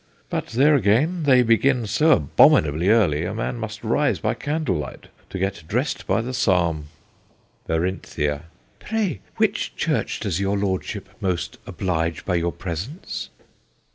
But there again, they begin so abominably early a man must rise by candle light to get dress'd by the psalm. BERINTHIA. Pray which church does your lordship most oblige by your presence